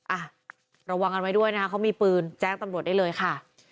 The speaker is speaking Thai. อ่ะระวังกันไว้ด้วยนะคะเขามีปืนแจ้งตำรวจได้เลยค่ะ